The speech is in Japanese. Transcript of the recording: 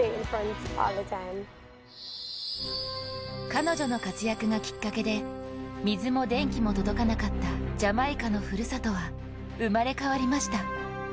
彼女の活躍がきっかけで水も電気も届かなかったジャマイカのふるさとは生まれ変わりました。